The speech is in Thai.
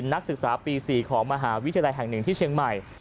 นักศึกษาปี๔ของมหาวิทยาลัยแห่ง๑ที่เชียงใหม่